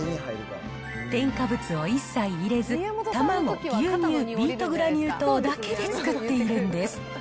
添加物を一切入れず、卵、牛乳、ビートグラニュー糖だけで作っているんです。